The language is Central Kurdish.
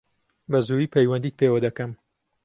بەزوویی پەیوەندیت پێوە دەکەم.